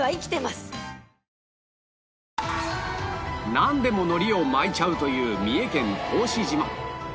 なんでも海苔を巻いちゃうという三重県答志島